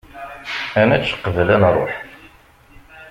Ad nečč qbel ad nruḥ.